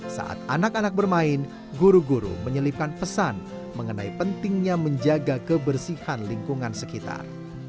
saat anak anak bermain guru guru menyelipkan pesan mengenai pentingnya menjaga kebersihan lingkungan sekitar